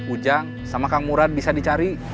ujang sama kang murad bisa dicari